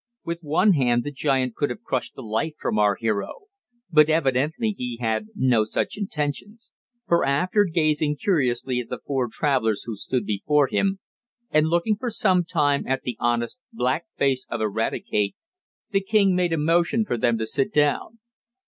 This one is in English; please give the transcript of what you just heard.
With one hand the giant could have crushed the life from our hero. But evidently he had no such intentions, for after gazing curiously at the four travelers who stood before him, and looking for some time at the honest, black face of Eradicate, the king made a motion for them to sit down.